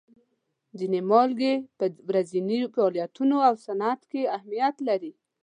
ځینې مالګې په ورځیني فعالیتونو او صنعت کې اهمیت لري.